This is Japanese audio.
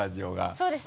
そうです。